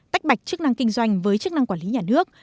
tách bạch chức năng kinh doanh với chức năng quản lý nhà nước